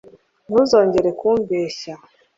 ntuzongere kumbeshya